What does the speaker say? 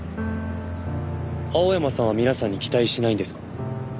青山さんは皆さんに期待しないんですか？